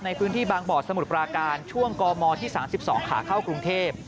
ในพื้นที่บางบ่อสมุทรปราการช่วงกมที่๓๒ขาเข้ากรุงเทพ